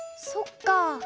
そっか。